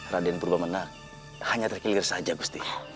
raden purba benang hanya terkilir saja gusti